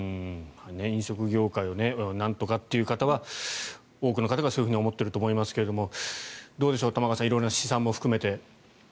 飲食業界をなんとかっていう方は多くの方がそう思っていると思いますがどうでしょう、玉川さん色んな試算も含めて。